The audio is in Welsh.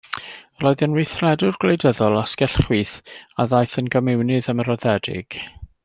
Roedd yn weithredwr gwleidyddol asgell chwith a ddaeth yn gomiwnydd ymroddedig.